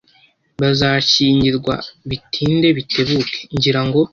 Bazashyingirwa bitinde bitebuke, ngira ngo.